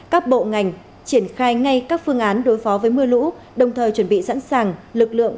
các bộ ngành triển khai ngay các phương án đối phó với mưa lũ đồng thời chuẩn bị sẵn sàng lực lượng